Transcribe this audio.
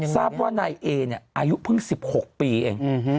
ทราบว่านายเอเนี่ยอายุเพิ่ง๑๖ปีเอง